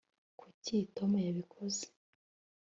kuki tom yabikoze